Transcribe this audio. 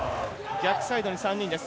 逆サイドに３人です。